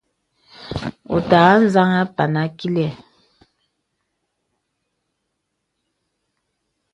Wɔ̄ ùtàghà anzaŋ àpan àkìlì.